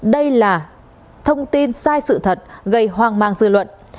đây là thông tin sai sự thật